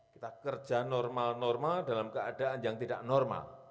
kita kerja normal normal dalam keadaan yang tidak normal